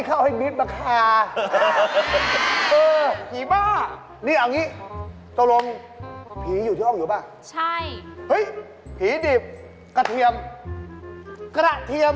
ทำไมล่ะว่าอย่าออกนานเลยนะลูกโอ้โฮตามเลือกเลย